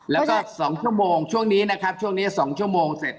แล้วก็๒ชั่วโมงช่วงนี้นะครับช่วงนี้๒ชั่วโมงเสร็จ